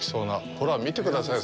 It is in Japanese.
ほら、見てくださいよ！